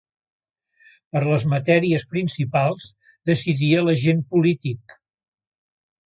Per les matèries principals decidia l'agent polític.